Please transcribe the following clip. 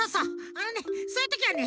あのねそういうときはね